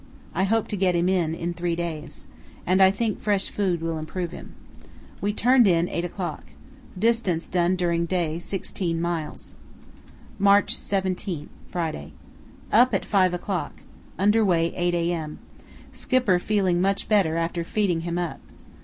I hope to get him in in three days, and I think fresh food will improve him. We turned in 8 o'clock. Distance done during day sixteen miles. "March 17, Friday.—Up at 5 o'clock. Under way 8 a.m. Skipper feeling much better after feeding him up.